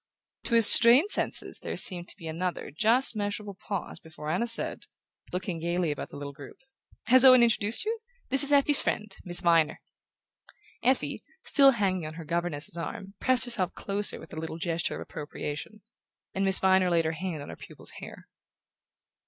To his strained senses there seemed to be another just measurable pause before Anna said, looking gaily about the little group: "Has Owen introduced you? This is Effie's friend, Miss Viner." Effie, still hanging on her governess's arm, pressed herself closer with a little gesture of appropriation; and Miss Viner laid her hand on her pupil's hair.